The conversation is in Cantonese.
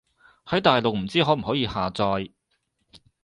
喺大陸唔知可唔可以下載